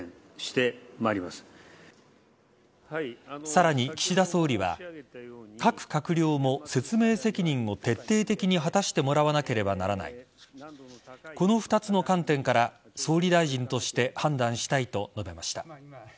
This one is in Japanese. さらに、岸田総理は各閣僚も説明責任を徹底的に果たしてもらわなければならないこの２つの観点から総理大臣として判断したいと述べました。